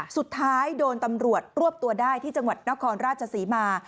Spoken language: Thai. สุดท้ายโดนตำรวจรวบตัวได้ที่จังหวัดนครราชศรีมา